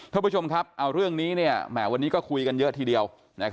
ท่านผู้ชมครับเอาเรื่องนี้แหมวันนี้ก็คุยกันเยอะทีเดียว